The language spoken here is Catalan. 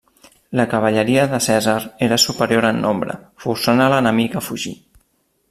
La cavalleria de Cèsar era superior en nombre, forçant a l'enemic a fugir.